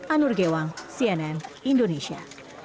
anur gewang cnn indonesia